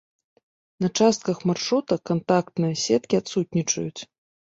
На частках маршрута кантактныя сеткі адсутнічаюць.